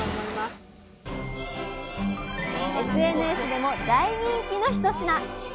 ＳＮＳでも大人気の一品！